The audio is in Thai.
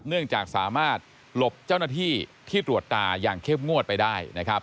เนื่องจากสามารถหลบเจ้าหน้าที่ที่ตรวจตาอย่างเข้มงวดไปได้นะครับ